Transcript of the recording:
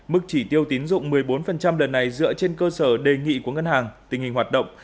mức chỉ tiêu tín dụng một mươi bốn đợt này dựa trên cơ sở đề nghị của ngân hàng tình hình hoạt động